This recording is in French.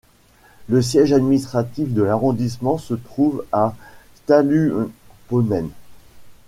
Le siège administratif de l'arrondissement se trouvait à Stallupönen.